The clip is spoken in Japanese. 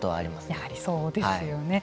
やはりそうですよね。